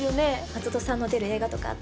松戸さんの出る映画とかあったら。